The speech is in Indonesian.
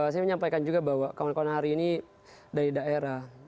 saya menyampaikan juga bahwa kawan kawan hari ini dari daerah